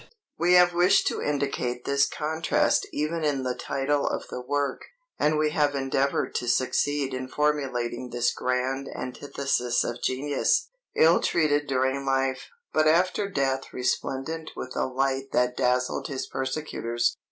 "We have wished to indicate this contrast even in the title of the work, and we have endeavored to succeed in formulating this grand antithesis of genius, ill treated during life, but after death resplendent with a light that dazzled his persecutors.